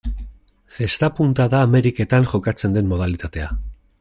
Zesta-punta da Ameriketan jokatzen den modalitatea.